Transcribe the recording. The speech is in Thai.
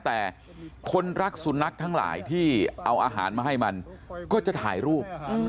แต่คนรักสุนัขทั้งหลายที่เอาอาหารมาให้มันก็จะถ่ายรูป